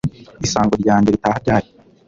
Isango ryanjye ritaha ryari